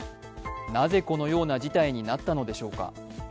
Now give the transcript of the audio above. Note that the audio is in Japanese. なぜこのような事態になったのでしょうか。